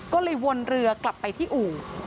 ก็เลยวนเรือกลับไปที่อู่